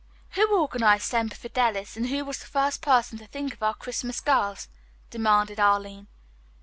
"Who organized Semper Fidelis and who was the first person to think of our Christmas girls?" demanded Arline.